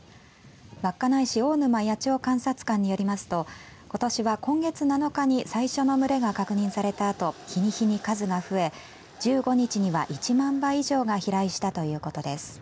稚内市大沼野鳥観察館によりますとことしは今月７日に最初の群れが確認されたあと日に日に数が増え、１５日には１万羽以上が飛来したということです。